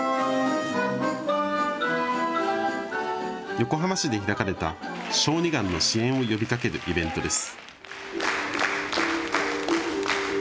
横浜市で開かれた小児がんの支援を呼びかけるイベントです。